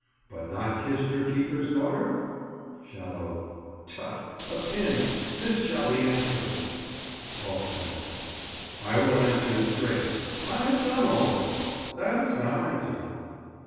But not kissed your keeper's daughter? Shallow. Tut, a pin! this shall be answered. Falstaff. I will answer it straight.—I have done all this.—That is now answered.